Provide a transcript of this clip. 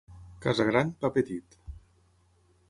Casa gran, pa petit.